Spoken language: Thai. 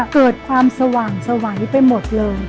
เกิดความสว่างสวัยไปหมดเลย